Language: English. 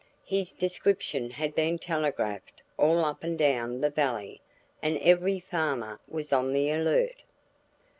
His description had been telegraphed all up and down the valley and every farmer was on the alert.